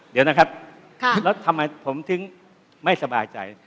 เดี๋ยวนะครับแล้วทำไมผมถึงไม่สบายใจ